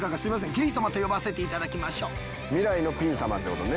キリ様と呼ばせて頂きましょう。